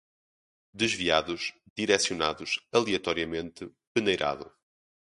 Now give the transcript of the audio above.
desviados, direcionados, aleatoriamente, peneirado